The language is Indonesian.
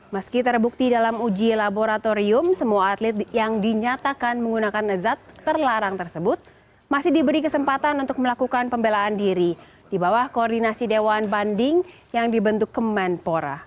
meski terbukti dalam uji laboratorium semua atlet yang dinyatakan menggunakan zat terlarang tersebut masih diberi kesempatan untuk melakukan pembelaan diri di bawah koordinasi dewan banding yang dibentuk kemenpora